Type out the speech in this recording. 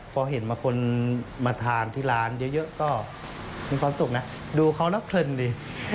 พอเห็นว่าคนมาทานที่ร้านเยอะก็มีความสุขนะดูเขาแล้วเพลินดี